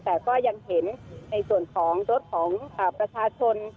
แต่ก็ยังเห็นในส่วนของรถของประชาชน